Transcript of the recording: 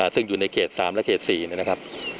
ซึ่งอยู่ในเขต๓และเขต๔นะครับ